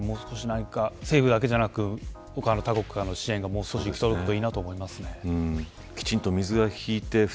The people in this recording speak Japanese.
政府だけじゃなく他国からの支援も届くといいと思います。